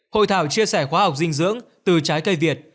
hội thảo chia sẻ khóa học dinh dưỡng từ trái cây việt